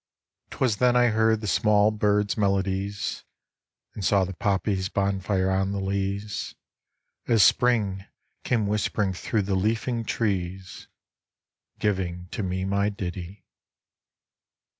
Twas then I heard the small birds' melodies. And saw the poppies' bonfire on the leas. As Spring came whispering thro' the leafing trees Giving to me my ditty.